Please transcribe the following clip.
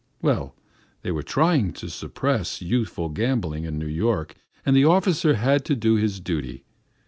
Well, they were trying to suppress youthful gambling in New York, and the officer had to do his duty.